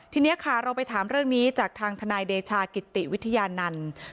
ทีนี้ค่ะเราไปถามเรื่องนี้จากทางทนายเดชากิติวิทยานันต์